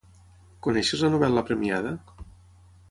Coneixes la novel·la premiada?